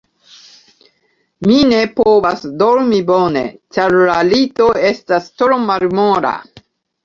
Mi ne povas dormi bone, ĉar la lito estas tro malmola.